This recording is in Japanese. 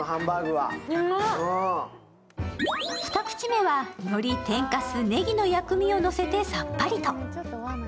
２口目はのり、天かす、ねぎの薬味をのせてさっぱりと。